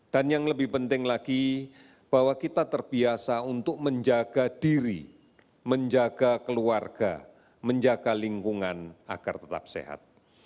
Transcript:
dan yang lebih penting lagi bahwa kita terbiasa untuk menjaga diri menjaga keluarga menjaga lingkungan agar tetap sehat